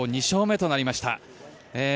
２勝目となりました。